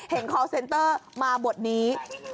เพ่งเซนเจอร์มาบทนี้